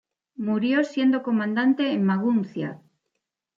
Murió siendo comandante en Maguncia.